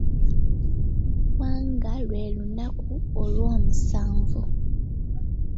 Wanga lwe lunaku olwomusanvu.